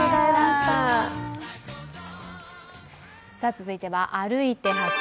続いては「歩いて発見！